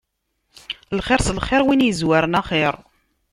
Lxiṛ s lxiṛ, win izwaren axiṛ.